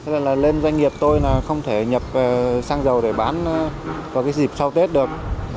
nên doanh nghiệp tôi không thể nhập xăng dầu để bán vào dịp sau tết được